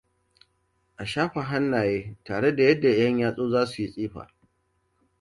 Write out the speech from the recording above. A shafa hannaye tare, ta yadda 'yan-yatsu za su yi tsifa.